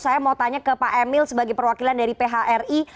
saya mau tanya ke pak emil sebagai perwakilan dari phri